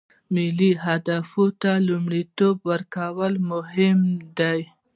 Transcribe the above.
ملي اهدافو ته لومړیتوب ورکول مهم دي